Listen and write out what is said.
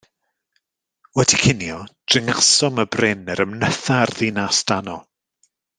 Wedi cinio, dringasom y bryn yr ymnytha'r ddinas dano.